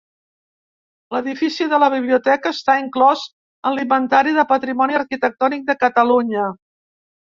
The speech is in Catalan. L'edifici de la biblioteca està inclòs en l'Inventari del Patrimoni Arquitectònic de Catalunya.